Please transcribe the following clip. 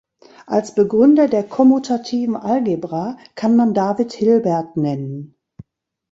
Als Begründer der kommutativen Algebra kann man David Hilbert nennen.